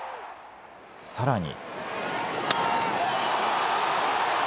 さらに。